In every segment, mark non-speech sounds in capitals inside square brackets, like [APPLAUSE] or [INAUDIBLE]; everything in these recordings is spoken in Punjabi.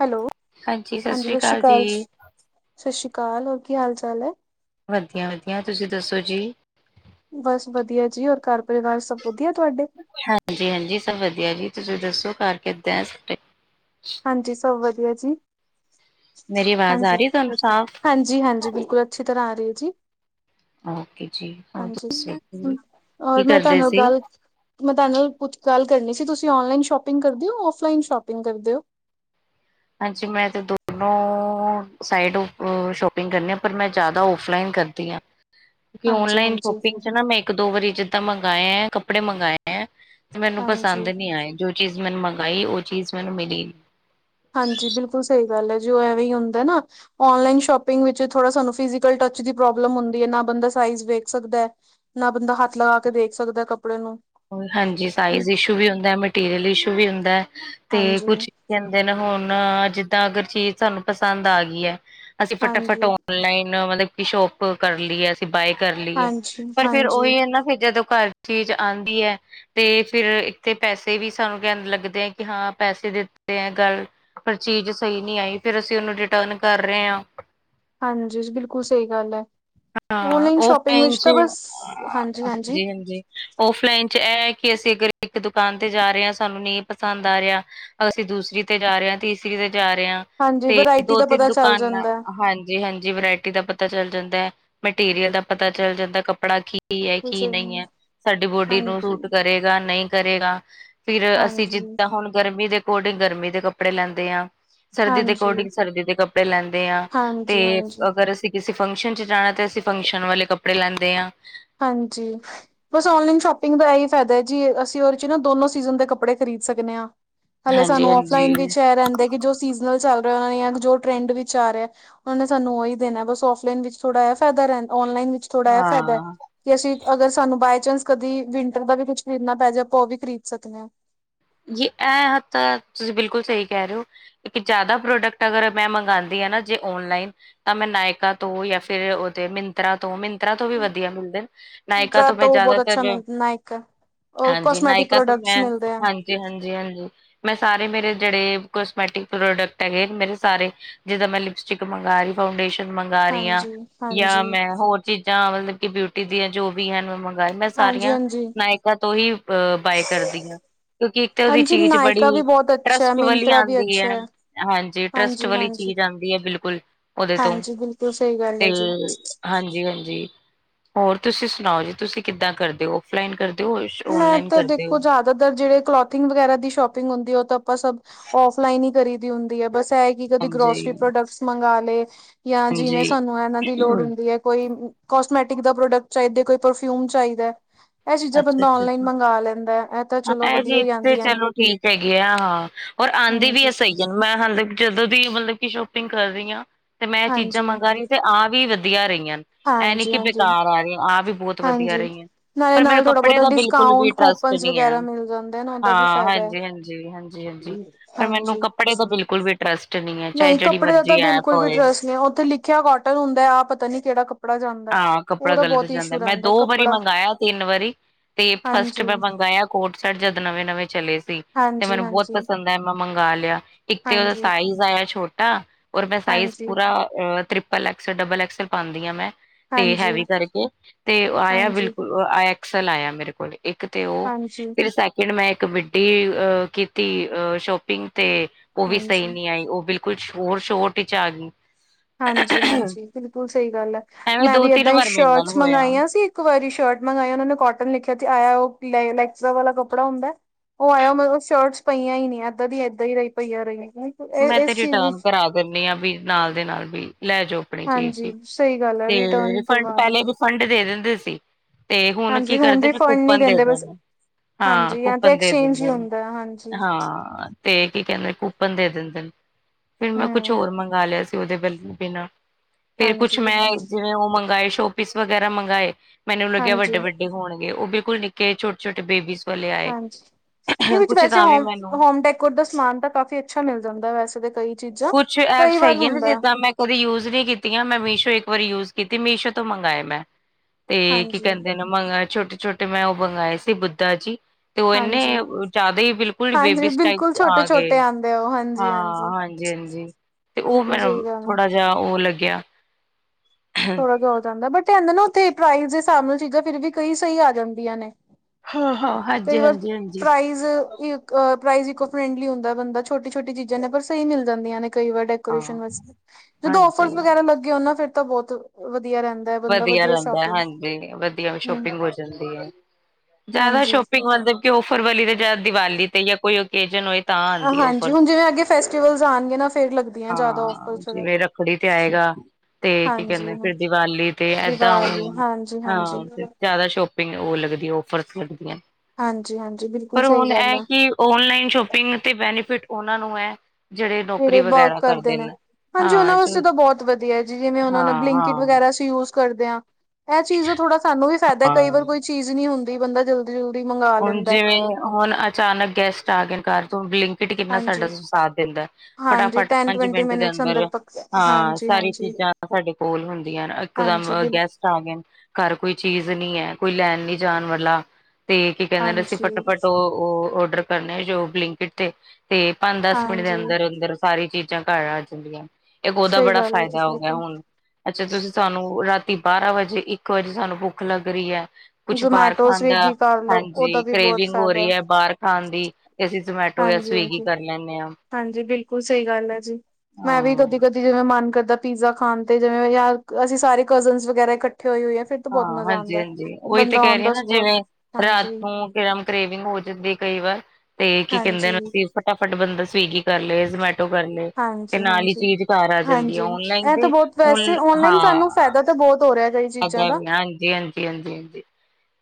ਹੈਲੋ, ਹਾਂਜੀ ਸਤਿ ਸ਼੍ਰੀ ਅਕਾਲ ਜੀ, ਸਤਿ ਸ਼੍ਰੀ ਅਕਾਲ ਹੋਰ ਕੀ ਹਾਲ ਚਾਲ ਹੈ। ਵਧੀਆ, ਵਧੀਆ ਤੁਸੀਂ ਦੱਸੋ ਜੀ। ਬਸ ਵਧੀਆ ਜੀ ਹੋਰ ਘਰ ਪਰਿਵਾਰ ਸਭ ਵਧੀਆ ਤੁਹਾਡੇ ਹਾਂਜੀ, ਹਾਂਜੀ ਸਭ ਵਧੀਆ ਜੀ ਤੁਸੀਂ ਦੱਸੋ ਘਰ ਕਿੱਦਾਂ ਹੈ ਸਾਡੇ ਹਾਂਜੀ ਸਭ ਵਧੀਆ ਜੀ ਮੇਰੀ ਆਵਾਜ਼ ਆ ਹਾਂਜੀ, ਰਹੀ ਤੁਹਾਨੂੰ ਸਾਫ਼ ਹਾਂਜੀ, ਹਾਂਜੀ ਬਿਲਕੁਲ ਅੱਛੀ ਤਰਾਂ ਆ ਰਹੀ ਹੈ ਜੀ। ਓਕੇ ਜੀ। ਹੋਰ ਹਾਂਜੀ ਦੱਸੋ ਕੀ ਹੋਰ ਮੈਂ ਤੁਹਾਡੇ ਕਰਦੇ ਨਾਲ ਸੀ ਗੱਲ ਮੈਂ ਤੁਹਾਡੇ ਨਾਲ ਕੁਛ ਗੱਲ ਕਰਨੀ ਸੀ। ਤੁਸੀਂ ਔਨਲਾਈਨ ਸ਼ੋਪਿੰਗ ਕਰਦੇ ਹੋ ਔਫਲਾਈਨ ਸ਼ੋਪਿੰਗ ਕਰਦੇ ਹੋ। ਹਾਂਜੀ ਮੈਂ ਤਾਂ ਦੋਨੋਂ ਸਾਈਡ ਸ਼ੋਪਿੰਗ ਕਰਨੀ ਹ ਪਰ ਮੈਂ ਜ਼ਿਆਦਾ ਔਫਲਾਈਨ ਕਰਦੀ ਹਾਂ। [INAUDIBLE] ਕਿਉਂ ਔਨਲਾਈਨ ਹਾਂਜੀ, ਸ਼ੋਪਿੰਗ ਚ ਨਾ ਮੈਂ ਇੱਕ ਦੋ ਵਾਰੀ ਜਿੱਦਾਂ ਮੰਗਾਇਆ ਹੈ, ਕੱਪੜੇ ਮੰਗਵਾਏ ਹੈ ਤੇ ਮੈਨੂੰ ਪਸੰਦ ਹਾਂਜੀ ਨਹੀ ਆਏ ਜੋ ਚੀਜ਼ ਮੈਨੂੰ ਮੰਗਾਈ ਉਹ ਚੀਜ਼ ਮੈਨੂੰ ਮਿਲੀ ਨਹੀਂ। ਹਾਂਜੀ ਬਿਲਕੁਲ ਸਹੀ ਗੱਲ ਹੈ, ਜੀ ਉਹ ਐਵੇਂ ਹੀ ਹੁੰਦਾ ਨਾ ਔਨਲਾਈਨ ਸ਼ੋਪਿੰਗ ਵਿਚ ਥੋੜਾ ਸਾਨ ਫਿਜ਼ਕਲ ਟਚ ਦੀ ਪ੍ਰੋਬਲਮ ਹੁੰਦੀ ਹੈ ਨਾ ਬੰਦਾ ਸਾਈਜ ਵੇਖ ਸਕਦਾ ਹੈ। ਨਾ ਬੰਦਾ ਹੱਥ ਲਗਾ ਕੇ ਦੇਖ ਸਕਦਾ ਕੱਪੜੇ ਨੂੰ ਹਾਂਜੀ ਸਾਈਜ਼ ਇਸ਼ੂ ਵੀ ਹੁੰਦਾ ਮਟੀਰੀਅਲ ਇਸ਼ੂ ਵੀ ਹੁੰਦਾ ਹੈ ਤੇ ਹਾਂਜੀ, ਕੁਛ ਕਹਿੰਦੇ ਨੇ ਹੁਣ ਜਿੱਦਾਂ ਅਗਰ ਚੀਜ਼ ਸਾਨੂੰ ਪਸੰਦ ਆ ਗਈ ਹੈ। ਅਸੀਂ ਫਟਾਫਟ ਹਾਂਜੀ, ਔਨਲਾਈਨ ਮਤਲਬ ਕਿ ਸ਼ੋਪ ਕਰ ਲਈ ਹੈ, ਅਸੀਂ ਬਾਏ ਕਰ ਲਈਏ ਹਾਂਜੀ, ਪਰ ਫਿਰ ਹਾਂਜੀ, ਉਹੀ ਹੈ ਨਾ ਫਿਰ ਜਦੋਂ ਘਰ ਚੀਜ਼ ਆਉਂਦੀ ਏ। ਤੇ ਫਿਰ ਇੱਥੇ ਪੈਸੇ ਵੀ ਸਾਨੂੰ ਕਹਿਣ ਲੱਗਦੇ ਹੈ। ਕਿ ਹਾਂ ਪੈਸੇ ਦਿੱਤੇ ਹੈ ਗੱਲ ਪਰ ਚੀਜ਼ ਸਹੀ ਨਹੀਂ ਆਈ ਫਿਰ ਅਸੀਂ ਉਹਨੂੰ ਰਿਟਰਨ ਕਰ ਰਹੇ ਹਾਂ। ਹਾਂਜੀ ਬਿਲਕੁਲ ਸਹੀ ਗੱਲ ਹੈ। ਹਾਂ ਔਨਲਾਈਨ ਸ਼ੋਪਿੰਗ ਔਫਲਾਈਨ ਵਿੱਚ ਚ ਤਾਂ ਬਸ ਹਾਂਜੀ, ਹਾਂਜੀ ਔਫਲਾਈਨ ਚ ਇਹ ਕਿ ਅਸੀਂ ਅਗਰ ਇੱਕ ਦੁਕਾਨ ਤੇ ਜਾ ਰਹੇ ਹਾਂ ਸਾਨੂੰ ਨਹੀਂ ਪਸੰਦ ਆ ਰਿਹਾ। ਅਸੀਂ ਦੂਸਰੀ ਤੇ ਜਾ ਰਹੇ ਹ ਤੀਸਰੀ ਤੇ ਜਾ ਰਹੇ ਹ ਹਾਂਜੀ ਤੇ ਵਰਾਇਟੀ ਦੋ ਦਾ ਤਿੰਨ ਪਤਾ ਚੱਲ ਦੁਕਾਨਾਂ ਜਾਂਦਾ ਹੈ। ਹਾਂ ਜੀ ਹਾਂਜੀ ਵਰਾਇਟੀ ਦਾ ਪਤਾ ਚੱਲ ਜਾਂਦਾ ਹੈ, ਮਟੀਰੀਅਲ ਦਾ ਪਤਾ ਚੱਲ ਜਾਂਦਾ ਕੱਪੜਾ ਕੀ ਕੀ ਹੈ ਕੀ ਤੁਸੀਂ ਨਹੀਂ ਹਾਂਜੀ, ਹੈ ਸਾਡੀ ਬੋਡੀ ਨੂੰ ਸੂਟ ਹਾਂਜੀ, ਕਰੇਗਾ ਨਹੀਂ ਕਰੇਗਾ। ਫਿਰ ਅਸੀਂ ਹਾਂਜੀ, ਜਿੱਦਾਂ ਹੁਣ ਗਰਮੀ ਦੇ ਅਕੋਰਡਿੰਗ ਗਰਮੀ ਦੇ ਕੱਪੜੇ ਲੈਂਦੇ ਆ। ਸਰਦੀ ਦੇ ਹਾਂਜੀ, ਅਕੋਰਡਿੰਗ ਸਰਦੀ ਦੇ ਕੱਪੜੇ ਲੈਂਦੇ ਆ ਤੇ ਹਾਂਜੀ। ਅਗਰ ਅਸੀਂ ਕਿਸੇ ਫੰਕਸ਼ਨ ਚ ਜਾਣਾ ਅਸੀਂ ਫੰਕਸ਼ਨ ਵਾਲੇ ਕੱਪੜੇ ਲੈਂਦੇ ਹਾਂ। ਹਾਂਜੀ। ਬਸ ਔਨਲਾਈਨ ਸ਼ੋਪਿੰਗ ਦਾ ਇਹੀ ਫਾਇਦਾ ਜੀ ਅਸੀਂ ਉਹਦੇ ਚ ਨਾ ਦੋਨੋ ਸੀਜ਼ਨ ਦੇ ਕੱਪੜੇ ਖਰੀਦ ਸਕਣੇ ਹਾਂ। ਹਲੇ ਸਾਨੂੰ ਹਾਂਜੀ-ਹਾਂਜੀ। ਔਫਲਾਈਨ ਵਿਚ ਇਹ ਰਹਿੰਦਾ ਕਿ ਜੋ ਸੀਜਨਲ ਚੱਲ ਰਿਹਾ ਜੋ ਟ੍ਰੈਂਡ ਵਿਚ ਆ ਰਿਹਾ। ਉਹੇ ਸਾਨੂੰ ਉਹੀ ਦੇਣਾ ਬਸ ਔਫਲਾਈਨ ਵਿੱਚ ਥੋੜਾ ਇਹ ਫਾਇਦਾ ਰਹ ਔਨਲਾਈਨ ਥੋੜਾ ਇਹ ਫਾਇਦਾ ਹੈ। ਹਾਂ, ਕਿ ਅਸੀਂ ਅਗਰ ਸਾਨੂੰ ਬਾਏ ਚਾਂਸ ਕਦੀ ਵਿੰਟਰ ਦਾ ਵੀ ਕੁਝ ਖਰੀਦਣਾ ਪੈ ਜਾਵੇ ਆਪਾਂ ਉਹ ਵੀ ਖਰੀਦ ਸਕਨੇ ਹਾਂ। ਜੇ ਇਹ ਹੱ ਤਾਂ ਤੁਸੀਂ ਬਿਲਕੁਲ ਸਹੀ ਕਹਿ ਰਹੇ ਹੋ। ਇੱਕ ਜ਼ਿਆਦਾ ਪ੍ਰੋਡਕਟ ਅਗਰ ਮੈਂ ਮੰਗਵਾਉਂਦੀ ਹਾਂ ਨਾ ਜੇ ਔਨਲਾਈਨ ਤਾਂ ਮੈਂ ਨਾਇਕਾ ਤੋਂ ਜਾਂ ਫਿਰ ਉਹਦੇ ਮਿੰ ਮਿੰਤਰਾ ਤੋਂ ਵੀ ਵਧੀਆ ਮਿਲਦੇ ਨਾਇਕਾ ਮਿੰਤਰਾ ਤੋਂ ਮੈਂ ਉਹ ਬਹੁਤ ਜਿਆਦਾਤਰ ਅੱਛਾ ਮਿਲ ਨਾਇਕ। ਉਹ ਹਾਂਜੀ ਕੋਸਮੈਟਿਕ ਨਾਇਕਾ ਤੋਂ ਪ੍ਰੋਡਕਟਸ ਮੈਂ ਮਿਲਦੇ ਹਾਂ। ਆ ਹਾਂਜੀ ਹਾਂਜੀ ਮੈਂ ਸਾਰੇ ਮੇਰੇ ਜਿਹੜੇ ਕੋਸਮੈਟਿਕ ਪ੍ਰੋਡਕਟ ਹੈਗੇ ਮੇਰੇ ਸਾਰੇ ਜਿੱਦਾਂ ਮੈਂ ਲਿਪਸਟਿਕ ਮੰਗਵਾ ਰਹੀ। ਫਾਊਂਡੇਸ਼ਨ ਮੰਗ ਰਹੀ ਹਾਂ ਹਾਂਜੀ ਜਾਂ ਹਾਂਜੀ ਮੈਂ ਹੋਰ ਚੀਜ਼ਾਂ ਮਤਲਬ ਕਿ ਬਿਊਟੀ ਦੀਆਂ ਜੋ ਵੀ ਹਨ ਮੈਂ ਮੰਗਵਾਏ ਮੈਂ ਹਾਂਜੀ ਸਾਰੀਆਂ ਹਾਂਜੀ ਨਾਇਕਾ ਤੋਂ ਹੀ ਅ ਬਾਏ ਕਰਦੀ ਹਾਂ। ਕਿ ਤੇ ਉਹਦੀ ਹਾਂਜੀ ਚੀਜ਼ ਨਾਇਕਾ ਵੀ ਬੜੀ ਬਹੁਤ ਅੱਛਾ ਹੈ ਟਰੱਸਟ ਵਾਲੀ ਮਿੰਤਰਾ ਵੀ ਆਉਂਦੀ ਅੱਛਾ ਹੈ ਹਾਂਜੀ ਟਰੱਸਟ ਵਾਲੀ ਚੀਜ਼ ਆਉਂਦੀ ਹੈ ਬਿਲਕੁਲ ਉਹਦੇ ਤੋਂ ਹਾਂਜੀ ਬਿਲਕੁਲ ਸਹੀ ਗੱਲ ਤੇ ਹੈ ਜੀ ਹਾਂਜੀ ਹਾਂਜੀ ਹੋਰ ਤੁਸੀਂ ਸੁਣਾਓ ਜੀ ਤੁਸੀਂ ਕਿੱਦਾਂ ਕਰਦੇ ਓ? ਓਫਲਾਈਨ ਕਰਦੇ ਹੋ ਔਨਲਾਈਨ ਕਰਦੇ ਹੋ। ਉੱਧਰ ਜਿਹੜੇ ਕਲੋਥਿੰਗ ਵਗੈਰਾ ਦੀ ਸ਼ੋਪਿੰਗ ਹੁੰਦੀ ਹੈ ਉਹ ਤਾਂ ਆਪਾਂ ਸਭ ਔਫਲਾਈਨ ਹੀ ਕਰੀ ਦੀ ਹੁੰਦੀ ਹੈ। ਬਸ ਇਹ ਏ ਕਿ ਕਦੇ ਹਾਂਜੀ, ਗਰੋਸਰੀ ਪ੍ਰੋਡਕਟਸ ਮੰਗ ਲਏ ਜਾਂ ਹਾਂਜੀ। ਜਿਵੇਂ ਸਾਨੂੰ ਇਹਨਾਂ ਦੀ ਲੋੜ ਅੱਛਾ, ਹੁੰਦੀ ਹੈ ਕੋਈ ਕੋਸਮੈਟਿਕ ਦਾ ਪ੍ਰੋਡਕਟ ਚਾਹੀਦਾ ਕੋਈ ਪਰਫਿਊਮ ਚਾਹੀਦਾ ਇਹ ਜਾਂ ਅੱਛਾ, ਬੰਦਾ ਔਨਲਾਈਨ ਅੱਛਾ। ਮੰਗਵਾ ਲੈਂਦਾ ਹੈ। ਤਾਂ ਚਲੋ ਇਹ ਵਧੀਆ ਜੀ ਹੀ ਤੇ ਆਉਂਦੀਆਂ ਨੇ ਚਲੋ ਠੀਕ ਹੈਗੇ ਆ ਹਾਂ ਰ ਆਉਂਦੀ ਵੀ ਆ ਹਾਂਜੀ ਸਹੀ। ਮੈਂ ਹਲ ਜਦੋਂ ਦੀ ਮਤਲਬ ਕਿ ਸ਼ੋਪਿੰਗ ਕਰ ਰਹੀ ਹਾਂ। ਤੇ ਮੈਂ ਇਹ ਚੀਜ਼ਾਂ ਹਾਂਜੀ ਮੰਗ ਰਹੀ ਤੇ ਆਹ ਵੀ ਵਧੀਆ ਰਹੀਆਂ ਨੇ ਇਹ ਨੀ ਹਾਂਜੀ ਕਿ ਹਾਂਜੀ ਬੇਕਾਰ ਆ ਰਹੀਆਂ ਆਹ ਵੀ ਬਹੁਤ ਵਧੀਆ ਹਾਂਜੀ ਰਹੀ ਹੈ ਨਾਲੇ ਪਰ ਮੈਨੂੰ ਨਾਲ ਥੋੜਾ ਕੱਪੜੇ ਬਹੁਤਾ ਦਾ ਬਿਲਕੁਲ ਵੀ ਡਿਸਕਾਊਂਟ ਟੈਸਟ ਕੂਪਨਸ ਨਹੀਂ। ਵਗੈਰਾ ਮਿਲ ਜਾਂਦੇ ਨੇ ਉਹਦਾ ਵੀ ਹਾਂ ਫਾਇਦਾ ਹੈ ਹਾਂਜੀ ਹਾਂਜੀ ਹਾਂਜੀ ਹਾਂਜੀ ਪਰ ਮੈਨੂੰ ਹਾਂਜੀ ਕੱਪੜੇ ਤਾਂ ਬਿਲਕੁਲ ਟੈਸਟ ਨ੍ਹੀ । ਨਹੀਂ ਕੱਪੜੇ ਦਾ ਤਾਂ ਬਿਲਕੁਲ ਵੀ ਡਰੇਸ ਨਹੀਂ ਉੱਥੇ ਲਿਖਿਆ ਵ ਅਟਰ ਹੁੰਦਾ ਆਪ ਪਤਾ ਨਹੀਂ ਕਿਹੜਾ ਕੱਪੜਾ ਜਾਂਦਾ। ਹਾਂ ਕੱਪੜਾ ਉਹਦਾ ਗਲਤ ਬਹੁਤ ਜਾਂਦਾ ਇਸ਼ੂ ਮੈਂ ਰਹਿੰਦਾ ਦੋ ਵਾਰੀ ਕੱਪੜਾ ਮੰਗਾਇਆ ਤਿੰਨ ਵਾਰੀ ਤੇ ਫਸਟ ਹਾਂਜੀ ਮੈਂ ਮੰਗਾਇਆ ਕੋਟਸੈਟ ਜਦ ਨਵੇਂ ਨਵੇਂ ਚਲੇ ਸੀ। ਤੇ ਹਾਂਜੀ ਮੈਨੂੰ ਬਹੁਤ ਹਾਂਜੀ ਪਸੰਦ ਆ ਮੈਂ ਮੰਗ ਲਿਆ ਇੱਕ ਤੇ ਉਹਦਾ ਹਾਂਜੀ ਸਾਈਜ਼ ਆਇਆ ਛੋਟਾ ਔਰ ਮੈਂ ਸਾਈਜ਼ ਹਾਂਜੀ ਪੂਰਾ ਤ੍ਰਿਪਲ ਐਕਸ ਡਬਲ ਐਕਸਲ ਪਾਉਂਦੀ ਹਾਂ ਮੈਂ ਤੇ ਹਾਂਜੀ ਹੈਵੀ ਕਰਕੇ ਤੇ ਆਇਆ ਹਾਂਜੀ ਬਿਲਕੁਲ ਐਕਸਲ ਆਇਆ ਮੇਰੇ ਕੋਲ ਇੱਕ ਤੇ ਉਹ ਹਾਂਜੀ ਫਿਰ ਸ ਮੈਂ ਇੱਕ ਬਿੱਡੀ ਅ ਕੀਤੀ ਸ਼ੋਪਿੰਗ ਤੇ ਉਹ ਵੀ ਸਹੀ ਹਾਂਜੀ ਨੀ ਆਈ ਉਹ ਬਿਲਕੁਲ ਕੁਛ ਹੋਰ ਛੋਟ ਵਿਚ ਆ ਗਈ। ਹਾਂਜੀ ਹਾਂਜੀ ਬਿਲਕੁਲ ਸਹੀ ਗੱਲ ਹੈ ਐਵੇਂ ਮੈਂ ਦੋ ਵੀ ਤਿੰਨ ਏਦਾਂ ਹੀ ਵਾਰ ਮੇਰੇ ਨਾਲ ਸ਼ਰਟਸ ਹੋਇਆ ਮੰਗਾਈਆਂ ਸੀ। ਇੱਕ ਵਾਰੀ ਸ਼ਰਟ ਮੰਗਵਾਆ ਉਹ ਨੇ ਕਟਨ ਲਿਖਿਆ ਤੇ ਆਇਆ ਉਹ ਲੈਕਸਾ ਵਾਲਾ ਕੱਪੜਾ ਹੁੰਦਾ। ਉਹ ਆਇਆ ਮਤਲਬ ਸ਼ਰਟਸ ਪਈਆਂ ਹੀ ਨਹੀਂ ਇਏਦਾਂ ਦੀ ਇਦਾਂ ਹੀ ਰਹੀ ਪਈਆਂ ਰਹੀਆਂ। ਮੈਂ ਤੇ ਇਸ ਚੀਜ਼ ਰਿਟਰਨ ਵਿੱਚ ਕਰਾ ਦਿੰਦੀ ਹਾਂ ਵੀ ਨਾਲ ਦੇ ਨਾਲ ਵੀ ਲੈ ਜਾਓ। ਆਪਣੀ ਚੀਜ਼ ਹਾਂਜੀ ਹੀ ਸਹੀ ਗੱਲ ਹੈ ਤੇ ਰਿਟਰਨ ਹੀ ਰਿਫੰਡ ਕਰਵਾ ਦੋ ਪਹਿਲੇ ਰਿਫੰਡ ਦੇ ਦਿੰਦੇ ਸੀ। ਤੇ ਹੁਣ ਹਾਂਜੀ ਕੀ ਕਰਦੇ ਨੇ ਰਿਫੰਡ ਨਹੀਂ ਕੂਪਨ ਦੇ ਦਿੰਦੇ ਬਸ ਦੋ ਹਾਂ ਹਾਂਜੀ ਜਾਂ ਤੇ ਕੂਪਨ ਦੇ ਐਕਸਚੇਂਜ ਹੀ ਦਿੰਦੇ ਨੇ ਹੁੰਦਾ ਹਾਂਜੀ ਹਾਂ। ਤੇ ਕੀ ਕਹਿੰਦੇ ਕੂਪਨ ਦੇ ਦਿੰਦੇ ਨੇ ਫਿਰ ਮੈਂ ਕੁਛ ਹੂੰ ਹੋਰ ਮੰਗਵਾ ਲਿਆ ਸੀ ਉਹਦੇ ਵ ਬਿਨਾਂ ਫੇਰ ਕੁਛ ਹਾਂਜੀ ਮੈਂ ਜਿਵੇਂ ਉਹ ਮੰਗਵਾਏ ਸ਼ੋਪੀਸ ਵਗੈਰਾ ਮੰਗਵਾਏ ਮੈਨੂੰ ਲੱਗਿਆ ਹਾਂਜੀ ਵੱਡੇ ਵੱਡੇ ਹੋਣਗੇ ਉਹ ਬਿਲਕੁਲ ਨਿੱਕੇ ਛੋਟੇ ਛੋਟੇ ਵਾਲੇ ਆਏ ਹਾਂਜੀ ਨਹੀਂ ਵਿੱਚ ਕੁਛ ਵੈਸੇ ਤਾਂ ਵੀ ਹੋਮ ਮੈਨੂੰ ਹੋਮਟੈਕ ਦਾ ਸਮਾਨ ਤਾਂ ਕਾਫ਼ੀ ਅੱਛਾ ਮਿਲ ਜਾਂਦਾ ਵੈਸੇ ਤਾਂ ਕਈ ਚੀਜ਼ਾਂ ਕੁਛ ਕਈ ਐਪਸ ਵਾਰ ਹੈਗੀਆਂ ਨਾ ਹੁੰਦਾ ਹੈ। ਜਿੱਦਾਂ ਮੈਂ ਕਦੇ ਯੂਜ ਨਹੀਂ ਕੀਤੀਆਂ ਮੈਂ ਮੀਸ਼ੋ ਇੱਕ ਵਾਰੀ ਯੂਜ ਕੀਤੀ ਮੀਸ਼ੋ ਤੋਂ ਮੰਗਵਾਏ ਮੈਂ ਤੇ ਕੀ ਹਾਂਜੀ ਕਹਿੰਦੇ ਮੰ ਛੋਟੇ ਛੋਟੇ ਮੈਂ ਉਹ ਮੰਗਵਾਏ ਸੀ ਬੁੱਧਾ ਜੀ। ਤੇ ਉਹ ਇਹੰਨੇ ਹਾਂਜੀ ਜ਼ਿਆਦਾ ਹੀ ਬਿਲਕੁਲ ਬੇਬੀ ਹਾਂਜੀ ਬਿਲਕੁਲ ਟਾਈਪ ਛੋਟੇ ਆ ਗਏ ਛੋਟੇ ਆਉਂਦੇ ਆ ਉਹ ਹਾਂਜੀ ਹਾਂ ਹਾਂਜੀ। ਹਾਂਜੀ ਤੇ ਉਹ ਬਿਲਕੁਲ ਸਹੀ ਮੈਨੂੰ ਗੱਲ ਥੋੜਾ ਜਹਾ ਉਹ ਲੱਗਿਆ ਥੋੜ੍ਹਾ ਜਿਹਾ ਹੋ ਜਾਂਦਾ ਬਟ ਕਹਦਾ ਨਾ ਉੱਥੇ ਪ੍ਰਾਈਜ਼ ਦੇ ਹਿਸਾਬ ਨਾਲ ਚੀਜ਼ਾਂ ਫਿਰ ਵੀ ਕਈ ਸਹੀ ਆ ਜਾਂਦੀਆਂ ਨੇ। ਹਾਂ ਹਾਂ। ਹਾਂਜੀ ਕਈ ਵ ਹਾਂਜੀ ਹਾਂਜੀ ਪ੍ਰਾਈਜ਼ ਅਹ ਪ੍ਰਾਈਜ਼ ਇਕੋ ਫਰੈਂਡਲੀ ਹੁੰਦਾ ਬੰਦਾ ਛੋਟੀ ਛੋਟੀ ਚੀਜ਼ਾਂ ਨੇ ਪਰ ਸਹੀ ਮਿਲ ਜਾਂਦੀਆਂ ਨੇ ਕਈ ਵਾਰ। ਹਾਂ ਜਦੋਂ ਫਰ ਹਾਂਜੀ ਵਰਾ ਲਗੇ ਫਿਰ ਬਹੁਤ ਵਧੀਆ ਰਹਿੰਦਾ। ਹੈ ਬੰਦਾ ਵਧੀਆ ਰਹਿੰਦਾ ਸ਼ੋਪਿੰਗ ਹਾਂਜੀ ਵਧੀਆ ਹੂੰ ਸ਼ੋਪਿੰਗ ਹੋ ਜਾਂਦੀ ਹੈ ਜ਼ਿਆਦਾ ਹਾਂਜੀ ਸ਼ੋਪਿੰ ਮਤਲਬ ਕਿ ਔਫਰ ਵਾਲੀ ਤੇ ਜਾਂਦ ਦੀਵਾਲੀ ਤੇ ਜਾਂ ਕੋਈ ਓਕੇਜਨ ਹੋਏ ਤਾਂ ਆਉਂਦੀ ਉਹ ਹਾਂਜੀ ਫ ਹੁਣ ਜਿਵੇਂ ਅੱਗੇ ਫੈਸਟੀਵਲਸ ਆਣਗੇ ਨਾ ਫੇਰ ਲੱਗਦੀਆਂ ਜ਼ਿਆਦਾ ਹਾਂ ਔਫਰਸ ਵਗੈਰਾ ਜਿਵੇਂ ਰੱਖੜੀ ਤੇ ਆਏਗ ਤੇ ਕੀ ਹਾਂਜੀ ਕਹਿੰਦੇ ਫਿਰ ਦੀਵਾਲੀ ਤੇ ਏਦਾਂ ਦੀਵਾਲੀ ਹਾਂਜੀ ਹਾਂ ਹਾਂਜੀ ਜਿਆਦਾ ਸ਼ੋਪਿੰਗ ਉਹ ਲੱਗਦੀ ਔਫਰਸ ਲੱਗਦੀਆਂ। ਹਾਂਜੀ ਹਾਂਜੀ ਬਿਲਕੁਲ ਪਰ ਸਹੀ ਹੁਣ ਗੱਲ ਇਹ ਆ। ਕਿ ਓਨਲਾਈਨ ਸ਼ੋਪਿੰਗ ਤੇ ਬੈਨੀਫਿਟ ਉਹਨਾਂ ਨੂੰ ਹੈ ਜਿਹੜੇ ਨੌਕਰੀ ਵਗੈਰਾ ਕਰਦੇ ਨੇ। ਹਾਂਜੀ ਉਹ ਹਾਂ ਵਾਸਤੇ ਜੋ ਤਾਂ ਬਹੁਤ ਵਧੀਆ ਜੀ ਜਿਵੇ ਉਹ ਹਾਂ ਹਾਂ ਬਲਿੰਕਟ ਵਗੈਰਾ ਯੂਜ ਕਰਦੇ ਹ ਇਹ ਚੀਜ਼ ਥੋੜਾ ਸਾਨੂੰ ਵੀ ਫਾਇਦਾ ਕਈ ਹਾਂ ਵਾਰ ਕੋਈ ਚੀਜ਼ ਨੀ ਹੁੰਦੀ ਬੰਦਾ ਜਲਦੀ ਜਲਦੀ ਮੰਗ ਹੁਣ ਜਿਵੇਂ ਹੁਣ ਅਚਾਨਕ ਗੈਸਟ ਆ ਗਏ ਘਰ ਤੋਂ ਵਿੰਕ ਟ ਕਿੰਨਾ ਸਾਡਾ ਹਾਂਜੀ ਸਾਥ ਦਿੰਦਾ ਹਾਂਜੀ ਫਟਾਫਟ ਟੈਨ ਪੰਜ ਟਵੰਟੀ ਮਿੰਟ ਦੇ ਮਿੰਟਸ ਅੰਦਰ ਪ ਹਾਂ ਹਾਂਜੀ ਸਾਰੀ ਹਾਂਜੀ। ਚੀਜ਼ਾਂ ਸਾਡੇ ਕੋਲ ਹੁੰਦੀਆਂ ਇਕਦਮ ਹਾਂਜੀ ਬਿਲ ਗੈਸਟ ਆ ਗ ਘਰ ਕੋਈ ਚੀਜ਼ ਨਹੀਂ ਹੈ ਕੋਈ ਲੈਣ ਨੀ ਜਾਣ ਵਾਲਾ। ਤੇ ਕੀ ਕਹਿੰਦੇ ਅਸੀਂ ਹਾਂਜੀ ਫਟਾਫਟ ਉਹ ਓਡਰ ਕਰਨੇ ਆ ਜੋ ਲਿੰਕਡ ਤੇ ਤੇ ਪੰਜ ਦਸ ਮਿੰਟ ਦੇ ਹਾਂਜੀ। ਅੰਦਰ ਅੰਦਰ ਸਾਰੀ ਚੀਜ਼ਾਂ ਘਰ ਆ ਜਾਂਦੀਆਂ। ਇੱਕ ਉਹਦਾ ਸਹੀ ਬੜਾ ਗੱਲ ਹੈ ਜੀ ਫਾਇਦਾ ਹੋ ਗਿਆ ਬਿਲਕੁਲ ਹੁਣ ਅੱਛਾ ਤੁਸੀਂ ਸਾਨੂੰ ਰਾਤੀ ਬਾਰਾਂ ਵਜੇ ਇੱਕ ਵਜੇ ਸਾਨੂੰ ਭੁੱਖ ਲੱਗ ਰਹੀ ਹੈ। ਕੁਛ ਬਾਹਰ ਜ਼ੋਮੈਟੋ ਖਾਨ ਦਾ ਸਵੀਗੀ ਕਰ ਲੋ ਉਹਦਾ ਹਾਂਜੀ ਵੀ ਬਹੁਤ ਕਰੇਵਿੰਗ ਹੋ ਰਹੀ ਫਾਇਦਾ। ਹੈ ਬਾਹਰ ਖਾਣ ਦੀ ਅਸੀਂ ਜਾਂ ਹਾਂਜੀ ਸਵੀਗੀ ਹਾਂਜੀ ਕਰ ਲੈਂਦੇ ਹਾਂ। ਹਾਂਜੀ ਬਿਲਕੁਲ ਸਹੀ ਗੱਲ ਹੈ ਜੀ ਮੈਂ ਵੀ ਕਦੀ ਹਾਂ। ਕਦੀ ਦੀ ਜਿਵੇਂ ਮਨ ਕਰਦਾ ਪੀਜ਼ਾ ਖਾਣ ਤੇ ਜਿਵੇਂ ਯਾਰ ਅਸੀਂ ਸਾਰੇ ਕਜ਼ਨ ਵਗੈਰਾ ਇਕੱਠੇ ਹੋਏ ਹੋਏ ਹੈ। ਫਿਰ ਤਾਂ ਬਹੁਤ ਹਾਂ ਮਜ਼ਾ ਹਾਂਜੀ ਆਉਂਦਾ ਹਾਂਜੀ ਉਹੀ ਤੇ ਬੰਦਾ ਕਹਿ ਔਨ ਰਹੀ ਹ ਦਾ ਨਾ ਸਪੋਟ ਜਿਵੇਂ ਰਾਤ ਹਾਂਜੀ ਨੂੰ ਕਰੇਵਿੰਗ ਹੋ ਜਾਂਦੀ ਕਈ ਵਾਰ ਤੇ ਕੀ ਕਹਿੰਦੇ। ਹਾਂਜੀ ਫਟਾਫਟ ਬੰਦਾ ਸਵੀਗੀ ਕਰ ਲਏਮੈ ਤੋਂ ਕਰ ਲਏ ਤੇ ਹਾਂਜੀ ਨਾਲ ਹੀ ਹਾਂਜੀ ਚੀਜ਼ ਘਰ ਆ ਜਾਂਦੀ ਹਾਂਜੀ ਆ ਓਨਲਾਈਨ ਇਹ ਤਾਂ ਤੇ ਬਹੁਤ ਵੈਸੇ ਔਨਲਾਈਨ ਹਾਂ। ਸਾਨੂੰ ਫਾਇਦਾ ਤਾਂ ਬਹੁਤ ਹੋ ਰਿਹਾ ਕਈ ਚੀਜਾਂ ਵੀ ਹਾਂਜੀ ਹਾਂਜੀ ਹਾਂਜੀ ਹਾਂਜੀ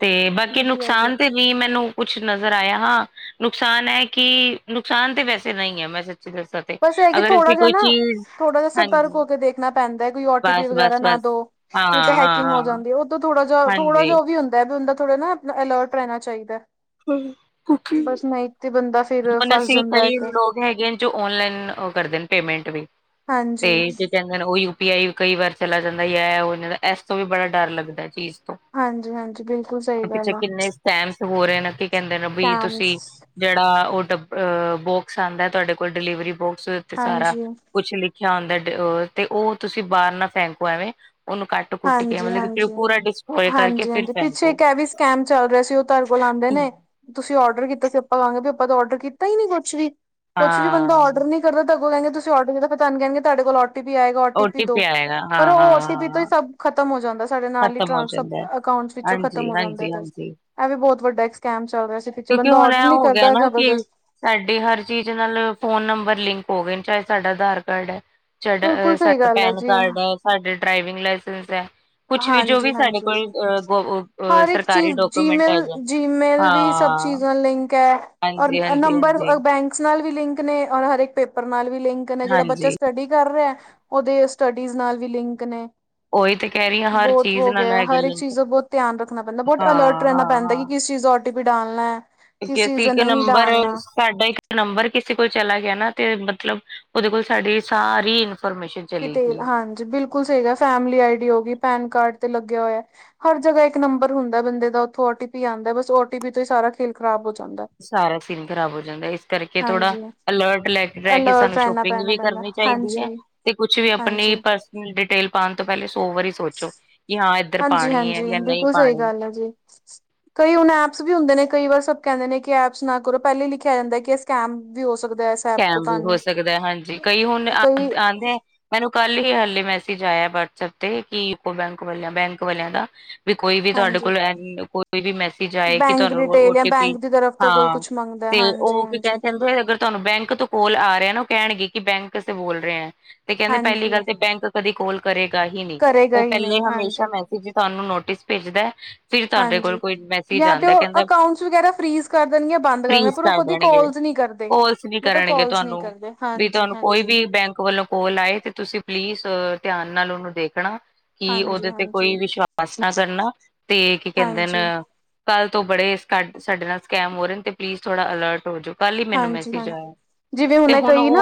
ਤੇ ਬਾਕੀ ਵਧੀਆ ਹੋ ਗਿਆ ਨੁਕਸਾਨ ਤੇ ਵੀ ਮੈਨੂੰ ਕੁਛ ਨਜ਼ਰ ਆਇਆ ਹਾਂ। ਨੁਕਸਾਨ ਹੈ ਕਿ ਨੁਕਸਾਨ ਤਾਂ ਵੈਸੇ ਨਹੀਂ ਹੈ ਮੈਂ ਸੱਚੀ ਦੱਸਾਂ ਬਸ ਇਹ ਕਿ ਅਗਰ ਥੋੜਾ ਅਸੀਂ ਜਿਹਾ ਕੋਈ ਨਾ ਚੀਜ਼ ਥੋੜਾ ਜਿਹਾ ਸਤਰਕ ਹਾਂਜੀ ਹੋ ਕੇ ਦੇਖਣਾ ਪੈਂਦਾ ਹੈ ਕੋਈ ਓ ਟੀ ਪੀ ਬਸ ਵਗੈਰਾ ਬਸ ਨਾ ਬਸ। ਦੋ ਹਾਂ ਨਹੀਂ ਤਾਂ ਹਾਂ। ਹੈਕਿੰਗ ਹੋ ਹਾਂ ਜਾਂਦੀ ਉਹ ਥੋੜਾ ਜਾ ਥੋੜਾ ਹਾਂਜੀ ਜਹਾ ਉਹ ਵੀ ਹੁੰਦਾਦਾ ਥੋੜਾ ਅਲਰਟ ਰਹਿਣਾ ਚਾਹੀਦਾ ਹੈ। ਬਸ ਨਹੀਂ ਤੇ ਬੰਦਾ ਫੇਰ ਹੁਣ ਫਸ ਅਸੀਂ ਜਾਂਦਾ ਕਈ ਇੱਕ ਲੋਕ ਹੈਗੇ ਨੇ ਜੋ ਓਨਲਾਈਨ ਕਰਦੇ ਨੇ ਪੇਮੈਂਟ ਵੀ ਹਾਂਜੀ ਤੇ ਕਹਿੰਦੇ ਉਹ ਯੂ ਪੀ ਆਈ ਕਈ ਵਾਰ ਚਲਾ ਜਾਂਦਾ ਹੈ ਉਹ ਜਾਂਦਾ ਇਸ ਤੋਂ ਵੀ ਬੜਾ ਡਰ ਲੱਗਦਾ ਚੀਜ਼ ਤੋਂ ਹਾਂਜੀ ਹਾਂਜੀ ਬਿਲਕੁਲ ਸਹੀ ਗੱਲ ਆ। ਸਹਿਮਸ ਹੋ ਰਹੇ ਨੇ ਕੀ ਕਹਿੰਦੇ ਨੇ ਵੀ ਕੈਮਸ ਤੁਸੀਂ ਜਿਹੜਾ ਉਹ ਬੋਕਸ ਆਉਂਦਾ ਤੁਹਾਡੇ ਕੋਲ ਡਿਲੀਵਰੀ ਬੋਕਸ ਉਤੇ ਸਾਰਾ ਹਾਂਜੀ ਕੁਛ ਲਿਖ ਚਾਨਡ ਤੇ ਉਹ ਤੁਸੀਂ ਬਾਹਰ ਨਾਲ ਫੈਂਕੂ ਐਵੇਂ ਉਹਨੂੰ ਕੁੱਟ ਕੇ ਹਾਂਜੀ ਮਤਲਬ ਕਿ ਫਿਰ ਹਾਂਜੀ ਪੂਰਾ ਡਿਸਟ੍ਰੋਏ ਕਰਕੇ ਹਾਂਜੀ ਫਿਰ ਹਾਂਜੀ ਪਿੱਛੇ ਫੈਂਕੋ ਇੱਕ ਇਹ ਵੀ ਸਕੈਮ ਚੱਲ ਰਿਹਾ ਸੀ ਉਹ ਤੁਡ ਕੋਲ ਆਉਂਦੇ ਨੇ। ਤੁਸੀਂ ਔਡਰ ਕੀਤਾ ਸੀ ਆਪਾਂ ਕਹਾਂਗੇ ਵੀ ਆਪਾਂ ਤਾਂ ਡਰ ਕੀਤਾ ਹੀ ਨੀ ਕੁੱਛ ਵੀ ਕੁਛ ਵੀ ਬੰਦਾ ਔਡਰ ਹਾਂ ਨੀ [INAUDIBLE] ਓ ਟੀ ਪੀ ਆਏਗਾ ਓ ਟੀ ਪੀ ਦੋ ਆਏਗਾ ਪਰ ਹਾਂ ਉਹ ਓ ਹਾਂ ਟੀ ਪੀ ਤੋਂ ਹੀ ਹਾਂ ਸਭ ਖਤਮ ਹੋ ਜਾਂਦਾ ਸਾਡੇ ਨਾਲ ਹੀ ਖਤਮ ਟਾਂ ਹੋ ਜਾਂਦਾ ਅਟਸ ਵਿਚੋਂ ਖਤਮ ਹਾਂਜੀ ਹੋ ਜਾਂਦੇ। ਹਾਂਜੀ ਹਾਂਜੀ ਇਹ ਵੀ ਬਹੁਤ ਵੱਡਾ ਇੱਕ ਸਕੈਮ ਚੱਲ ਰਿਹਾ ਸੀ ਪ ਬੰਦਾ ਰਡਰ ਨੀ ਕਰਦਾ ਜਬਰਦਸਤ ਸਾਡੀ ਹਰ ਚੀਜ਼ ਨਾਲ ਫੋਨ ਨੰਬਰ ਲਿੰਕ ਹੋ ਗਏ ਚਾਹੇ ਸਾਡਾ ਆਧਾਰ ਕਾਰਡ ਹੈ। ਸਾਡਾ ਬਿਲਕੁਲ ਸਹੀ ਸਾਡਾ ਗੱਲ ਹੈ ਪੈਨ ਜੀ ਕਾਰਡ ਆ ਸਾਡੇ ਡਰਾਈਵਿੰਗ ਲਾਇਸੈਂਸ ਆ। ਕੁਛ ਵੀ ਜੋ ਹਾਂਜੀ ਵੀ ਸਾਡੇ ਹਾਂਜੀ ਕੋਲ ਹਰ ਇੱਕ ਸਰਕਾਰੀ ਚੀਜ਼ ਡਾਕੂਮੈਂਟ ਜੀਮੇਲ ਹੈਗੇ ਜੀਮੇਲ ਵੀ ਸਭ ਹਾਂ। ਚੀਜ਼ ਨਾਲ ਲਿੰਕ ਹੈ ਔਰ ਹਾਂਜੀ ਹਾਂਜੀ ਨੰਬਰ ਹਾਂਜੀ ਬੈਂਕਸ ਨਾਲ ਵੀ ਲਿੰਕ ਨੇ ਔਰ ਹਰੇਕ ਪੇਪਰ ਨਾਲ ਵੀ ਲਿੰਕ ਨੇ ਜਿਹੜਾ ਬੱਚਾ ਹਾਂਜੀ ਸਟੱਡੀ ਕਰ ਰਿਹਾ ਆ, ਉਹਦੇ ਸਟੱਡੀਜ਼ ਨਾਲ ਵੀ ਲਿੰਕ ਨੇ ਉਹੀ ਤੇ ਕਹਿ ਰਹੀ ਹਾਂ ਹਰ ਬਹੁਤ ਚੀਜ਼ ਹੋ ਨਾਲ ਗਿਆ ਹੈਗੇ ਹਰ ਇੱਕ ਲਿੰਕ ਚੀਜ਼ ਦਾ ਬਹੁਤ ਧਿਆਨ ਰੱਖਣਾ ਪੈਂਦਾ, ਬਹੁਤ ਹਾਂ ਅਲਰਟ ਰਹਿਣਾ ਹਾਂ ਪੈਂਦਾ ਕਿ ਕਿਸ ਚੀਜ਼ ਦਾ ਵੀ ਡਾਲਣਾ ਐ। ਕੇ ਅਸੀਂ ਇੱਕ ਨੰਬਰ ਸਾਡਾ ਇੱਕ ਨੰਬਰ ਕਿਸੇ ਕੋਲ ਚਲਾ ਗਿਆ ਨਾ ਤੇ, ਮਤਲਬ ਉਹਦੇ ਕੋਲ ਸਾਡੀ ਸਾਰੀ ਇਨਫੋਰਮੇਸ਼ਨ ਚਲੀ ਗਈ ਹੈ ਹਾਂਜੀ ਬਿਲਕੁਲ ਸਹੀ ਗੱਲ ਐ, ਫੈਮਲੀ ਆਈ ਡੀ ਹੋ ਗਈ, ਪੈਨ ਕਾਰਡ ਤੇ ਲੱਗਿਆ ਹੋਇਆ ਐ। ਹਰ ਜਗ੍ਹਾ ਇੱਕ ਨੰਬਰ ਹੁੰਦਾ ਬੰਦੇ ਦਾ, ਉਥੋਂ ਓ ਟੀ ਪੀ ਆਂਦਾ ਬਸ ਓ ਟੀ ਪੀ ਤੋਂ ਹੀ ਸਾਰਾ ਖੇਲ ਖਰਾਬ ਹੋ ਜਾਂਦਾ। ਸਾਰਾ ਸੀਨ ਖ਼ਰਾਬ ਹੋ ਜਾਂਦਾ, ਇਸ ਕਰਕੇ ਥੋੜ੍ਹਾ ਹਾਂਜੀ ਅਲਰਟ ਲੈ ਕੇ ਰਹਿ ਕੇ ਅਲਰਟ ਸਾਨੂੰ ਰਹਿਣਾ ਸ਼ੋਪਿੰਗ ਪੈਣਾ ਵੀ ਪੈਂਦਾ ਕਰਨੀ ਚਾਹੀਦੀ ਹਾਂਜੀ। ਹੈ। ਤੇ ਕੁਛ ਵੀ ਹਾਂਜੀ ਆਪਣੀ ਪਰਸਨਲ ਡਿਟੇਲ ਪਾਉਣ ਤੋਂ ਪਹਿਲੇ ਸੌ ਵਾਰੀ ਸੋਚੋਂ। ਹਾਂਜੀ ਹਾਂਜੀ, ਬਿਲਕੁਲ ਸਹੀ ਗੱਲ ਐ ਜੀ। ਕਈ ਹੁਣ ਐਪਸ ਵੀ ਹੁੰਦੇ ਨੇ ਕਈ ਵਾਰ ਸਭ ਕਹਿੰਦੇ ਨੇ ਕਿ ਐਪਸ ਨਾ ਕਰੋ ਪਹਿਲਾਂ ਹੀ ਲਿਖਿਆ ਜਾਂਦਾ, ਕਿ ਇਹ ਸਕੈਮ ਵੀ ਹੋ ਸਕਦਾ ਐ। ਕੈਮ ਵੀ ਹੋ ਸਕਦਾ, ਹਾਂਜੀ, ਕਈ ਹੁਣ ਕੋਈ ਆਉਂਦੇ ਮੈਨੂੰ ਕੱਲ ਹੀ ਹਾਲੇ ਮੈਸੇਜ ਆਇਆਂ ਵਟਸਐਪ ਤੇ ਕਿ ਯੂਕੋ ਬੈਂਕ ਵਾਲਿਆਂ ਬੈਂਕ ਵਾਲਿਆਂ ਦਾ ਵੀ ਕੋਈ ਵੀ ਤੁਹਾਡੇ ਹਾਂਜੀ ਕੋਲ ਕੋਈ ਵੀ ਮੈਸੇਜ ਜਾਏ ਕਿ ਬੈਂਕ ਤੁਹਾਨੂੰ ਡਿਟੇਲ ਜਾਂ ਓਟੀ ਪੀ ਬੈਂਕ ਦੀ ਤਰਫ ਤੋਂ ਕੋਈ ਹਾਂ, ਕੁਛ ਮੰਗਦਾ ਤੇ ਹਾਂਜੀ ਉਹ ਕੀ ਕਹਿ ਹਾਂਜੀ ਦਿੰਦੇ ਅਗਰ ਤੁਹਾਨੂੰ ਬੈਂਕ ਤੋਂ ਕੋਲ ਆ ਰਿਹਾ ਨਾ, ਉਹ ਕਹਿਣਗੇ ਕਿ ਬੈਂਕੇ ਸੇ ਬੋਲ ਰਹੇ ਐ, ਤੇ ਕਹਿੰਦੇ ਪਹਿਲੀ ਗੱਲ ਹਾਂਜੀ ਤੇ ਬੈਂਕ ਕਦੀ ਕੋਲ ਕਰੇਗਾ ਹੀ ਨੀ, ਕਰੇਗਾ ਉਹ ਹੀ ਪਹਿਲੇ ਨਹੀਂ ਹਮੇਸ਼ਾ ਹਾਂਜੀ ਮੈਸੇਜ ਚ ਤੁਹਾਨੂੰ ਨੋਟਿਸ ਭੇਜਦਾ। ਫਿਰ ਤੁਹਾਡੇ ਕੋਲ ਹਾਂਜੀ ਕੋਈ ਮੈਸੇਜ ਜਾਂ ਤੇ ਆਂਦਾ, ਉਹ ਕਹਿੰਦਾ ਅਕਾਊਂਟਸ ਵਗੈਰਾ ਫਰੀਜ਼ ਕਰ ਦੇਣਗੇ ਬੰਦ ਦੇਣਗੇ ਫਰੀਜ਼ ਪਰ ਉਹ ਕਰ ਕਦੀ ਦੇਣਗੇ। ਕਾਲਸ ਨਹੀਂ ਕਰਦੇ। ਫੋਰਸ ਵੀ ਬਟ ਉਹ ਕਰਨਗੇ, ਕਾਲਸ ਨਹੀਂ ਤੁਹਾਨੂੰ ਕਰਦੇ ਵੀ ਹਾਂਜੀ ਤੁਹਾਨੂੰ ਕੋਈ ਹਾਂਜੀ ਵੀ ਬੈਂਕ ਵੱਲੋਂ ਕੋਲ ਆਏ ਤੇ ਤੁਸੀਂ ਪਲੀਜ਼ ਧਿਆਨ ਨਾਲ ਉਹਨੂੰ ਦੇਖਣਾ। ਕਿ ਹਾਂਜੀ ਉਹਦੇ ਤੇ ਹਾਂਜੀ ਕੋਈ ਵਿਸ਼ਵਾਸ ਨਾ ਕਰਨਾ, ਤੇ ਕੀ ਕਹਿੰਦੇ ਹਾਂਜੀ ਨੇ ਕੱਲ੍ਹ ਤੋਂ ਬੜੇ ਸਾਡੇ ਨਾਲ ਸਕੈਮ ਹੋ ਰਹੇ ਨੇ, ਤੇ ਪਲੀਜ਼ ਥੋੜਾ ਅਲਰਟ ਹੋ ਜਾਓ। ਕੱਲ ਹੀ ਮੈਨੂੰ ਮੈਸ ਹਾਂ ਜਿਵੇਂ ਹੁਣ ਕਈ ਨਾ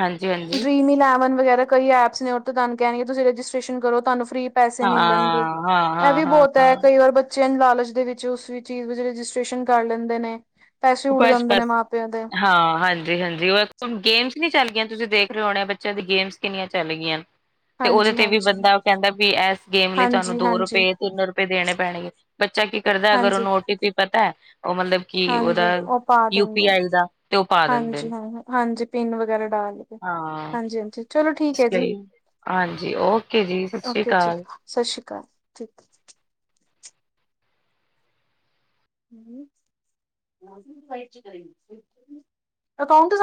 ਹਾਂਜੀ ਹਾਂਜੀ ਡਰੀਮ ਇਲੈਵਨ ਵਗੈਰਾ ਕਈ ਐਪ ਨੇ ਤੇ ਤੁਹਾਨੂੰ ਕਹਿਣਗੇ, ਤੁਸੀ ਰਜਿਸਟ੍ਰੇਸ਼ਨ ਕਰੋ ਤੁਹਾਨੂੰ ਫ੍ਰਰੀ ਪੈਸੇ ਹਾਂ ਮਿਲਣਗੇ, ਹਾਂ ਇਹ ਹਾਂ ਵੀ ਹਾਂ ਬਹੁਤ ਐ ਹਾਂ ਕਈ ਵਾਰ ਬੱਚੇ ਬੱਚਿਆਂ ਨੂੰ ਲਾਲਚ ਦੇ ਵਿੱਚ ਉਸ ਚੀਜ਼ ਦੇ ਵਿਚ ਰਜਿਸਟ੍ਰੇਸ਼ਨ ਕਰ ਲੈਂਦੇ ਨੇ। ਪੈਸੇ ਉੱਡ ਜਾਂਦੇ ਨੇ ਮਾਂ ਪਿਓ ਦੇ [UNINTELLIGIBLE] ਹਾਂ ਹਾਂਜੀ ਹਾਂਜੀ ਉਹ ਗੇਮਸ ਨੀ ਚੱਲ ਗਿਆ, ਤੁਸੀਂ ਦੇਖ ਰਹੇ ਹੋਣੇ ਬੱਚਿਆਂ ਦੀ ਗੇਮਸ ਕਿੰਨੀਆਂ ਚੱਲ ਗਈਆਂ। ਤੇ ਉਹਦੇ ਹਾਂਜੀ ਤੇ ਵੀ ਹਾਂਜੀ ਬੰਦਾ ਕਹਿੰਦਾ ਵੀ, ਇਸ ਗੇਮ ਲਈ ਤੁਹਾਨੂੰ ਹਾਂਜੀ ਦੋ ਹਾਂਜੀ ਰੁਪਏ ਤਿੰਨ ਰੁਪਏ ਦੇਣੇ ਪੈਣਗੇ। ਬੱਚਾ ਕੀ ਕਰਦਾ, ਅਗਰ ਹਾਂਜੀ ਉਹਨੂੰ ਓਟੀ ਪੀ ਪਤਾ ਹੈ ਉਹ ਮਤਲਬ ਕਿ ਉਹਦਾ ਹਾਂਜੀ ਉਹ ਪਾ ਯੂ ਪੀ ਦਿੰਦੇ ਆਈ ਦਾ ਤੇ ਉਹ ਪਾ ਦਿੰਦੇ ਹਾਂਜੀ ਨੇ ਹਾਂ ਹਾਂਜੀ, ਪਿੰਨ ਵਗੈਰਾ ਡਾਲ ਕੇ, ਹਾਂ ਹਾਂਜੀ ਹਾਂਜੀ। ਚਲੋ ਠੀਕ ਇਸ ਹੈ ਜੀ, ਲਈ ਹਾਂਜੀ ਓਕੇ ਜੀ ਸਤਿ ਸ੍ਰੀ ਓਕੇ ਜੀ ਅਕਾਲ। ਸਤਿ ਸ਼੍ਰੀ ਅਕਾਲ ਠੀਕ ਐ। [UNINTELLIGIBLE]